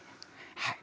はい。